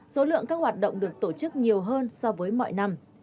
số lượng các hoạt động được tổ chức nhiều hơn so với mọi năm